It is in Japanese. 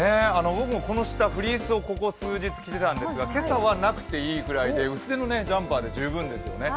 僕もこの下、フリースをここ数日着ていたんですが今朝はなくていいぐらいで薄手のジャンパーで十分ですよね。